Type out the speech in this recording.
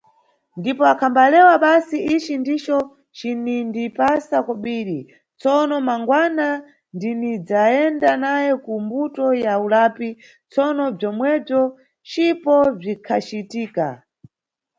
Ndipo, akhambalewa basi "ici ndico cinindipasa kobiri, tsono mangwana ndinidzayenda nawe ku mbuto ya ulapi", Tsono bzomwebzo cipo bzikhacitika.